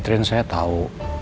catherine saya tahu